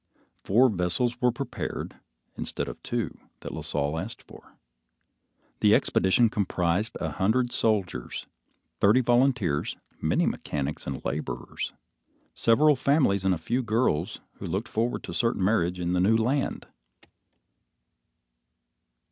Four vessels were prepared, instead of the two that La Salle asked for. The expedition comprised a hundred soldiers, thirty volunteers, many mechanics and laborers, several families and a few girls, who looked forward to certain marriage in the new land.